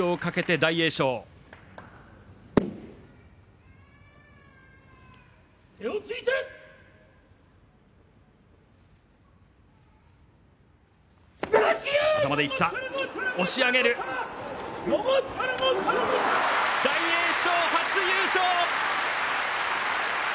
大栄翔初優勝！